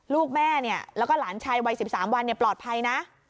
ลูกแม่แล้วก็หลานชายวัย๑๓วันปลอดภัยนะ